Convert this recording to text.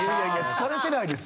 疲れてないです。